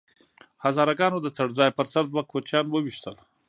هزاره ګانو د څړ ځای په سر دوه کوچیان وويشتل